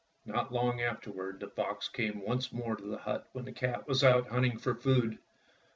Not long afterward the fox came once more to the hut when the cat was out hunt ing for food.